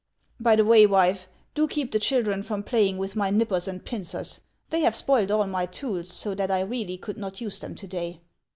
By the way, wife, do keep the children from playing with my nippers and pincers ; they have spoiled all my tools, so that I really could not use them to day.